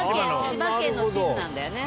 千葉県の地図なんだよね。